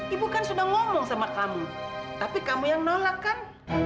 ibu kan sudah ngomong sama kamu tapi kamu yang nolak kan